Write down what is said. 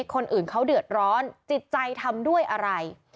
คนอื่นเขาเดือดร้อนจิตใจทำด้วยอะไร